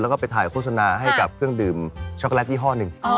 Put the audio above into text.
แล้วก็ไปถ่ายโฆษณาให้กับเครื่องดื่มช็อกโกแลตยี่ห้อหนึ่ง